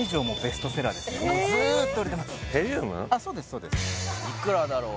そうですいくらだろう